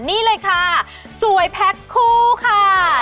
นี่เลยค่ะสวยแพ็คคู่ค่ะ